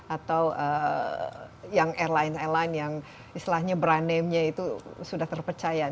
atau yang airline airline yang istilahnya brand name nya itu sudah terpercaya